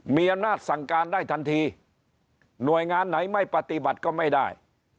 มีอำนาจสั่งการได้ทันทีหน่วยงานไหนไม่ปฏิบัติก็ไม่ได้